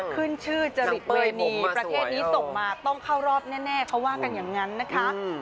ขึ้นชื่อจรินีประเทศนี้ส่งมาต้องเข้ารอบแน่เขาว่ากันอย่างนั้นนะคะ